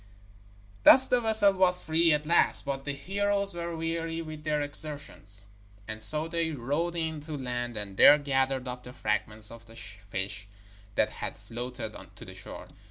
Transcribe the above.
Thus the vessel was free at last. But the heroes were weary with their exertions, and so they rowed in to land, and there gathered up the fragments of the fish that had floated to the shore.